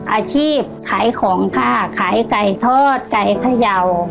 อาชีพขายของค่ะขายไก่ทอดไก่พยาว